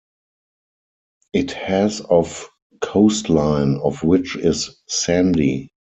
It has of coastline, of which is sandy.